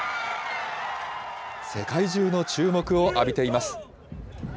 世界中の注目を浴びています。